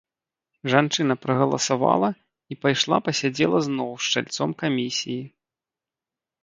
Жанчына прагаласавала і пайшла пасядзела зноў з чальцом камісіі.